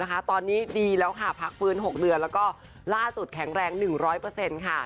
ให้มันไม่ดีแล้วค่ะพักฟื้น๖เดือนแล้วก็ล่าจุดแข็งแรง๑๐๐เปอร์เซ็นต์ค่ะ